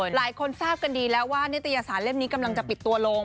หลายคนทราบกันดีแล้วว่านิตยสารเล่มนี้กำลังจะปิดตัวลง